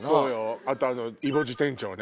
あとイボ痔店長ね。